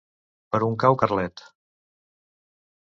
Per on cau Carlet?